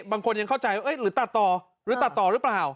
บางคนยังเข้าใจซึ่งตัดต่อรึเปล่า